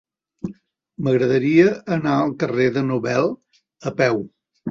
M'agradaria anar al carrer de Nobel a peu.